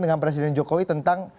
dengan presiden jokowi tentang